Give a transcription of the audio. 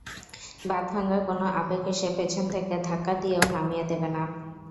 বাঁধভাঙা কোনো আবেগ এসে পেছন থেকে ধাক্কা দিয়েও নামিয়ে দেবে না।